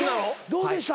どうでした？